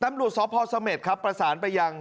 ตำรวจสพสเมษครับประสานไปยัง